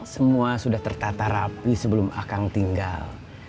semua sudah tertata rapi sebelum akang tinggal